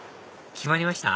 決まりました？